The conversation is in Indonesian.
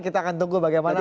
kita akan tunggu bagaimana